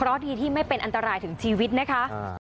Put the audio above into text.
เพราะดีที่ไม่เป็นอันตรายถึงชีวิตนะคะ